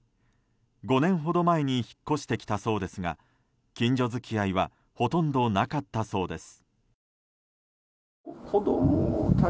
５年ほど前に引っ越してきたそうですが近所付き合いはほとんどなかったそうです。